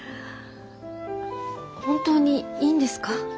本当にいいんですか？